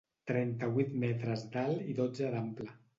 Trenta-vuit metres d’alt i dotze d’ample.